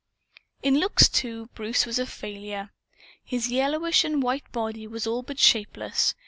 In looks, too, Bruce was a failure. His yellowish and white body was all but shapeless.